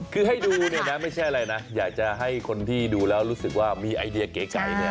คือให้ดูเนี่ยนะไม่ใช่อะไรนะอยากจะให้คนที่ดูแล้วรู้สึกว่ามีไอเดียเก๋ไก่เนี่ย